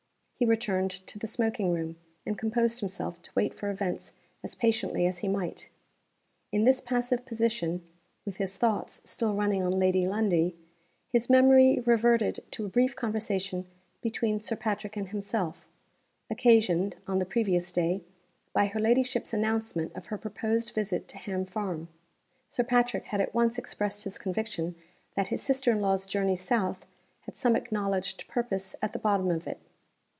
He returned to the smoking room, and composed himself to wait for events as patiently as he might. In this passive position with his thoughts still running on Lady Lundie his memory reverted to a brief conversation between Sir Patrick and himself, occasioned, on the previous day, by her ladyship's announcement of her proposed visit to Ham Farm. Sir Patrick had at once expressed his conviction that his sister in law's journey south had some acknowledged purpose at the bottom of it.